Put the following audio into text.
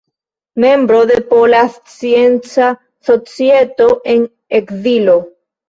Membro de Pola Scienca Societo en Ekzilo.